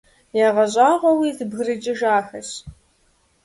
ЯгъэщӀагъуэуи зэбгрыкӀыжахэщ.